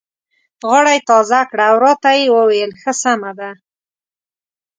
غاړه یې تازه کړه او راته یې وویل: ښه سمه ده.